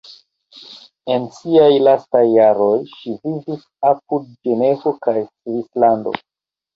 En siaj lastaj jaroj ŝi vivis apud Ĝenevo en Svislando.